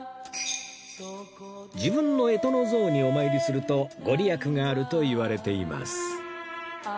自分の干支の像にお参りするとご利益があるといわれています